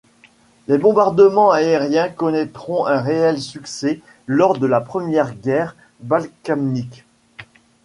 Les bombardements aériens connaîtront un réel succès lors de la Première Guerre balkanique.